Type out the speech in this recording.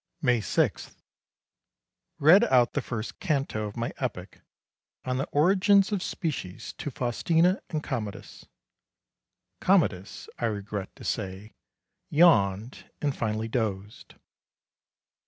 May 6. Read out the first canto of my epic on the origins of species to Faustina and Commodus. Commodus, I regret to say, yawned and finally dozed.